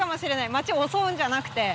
街を襲うんじゃなくて。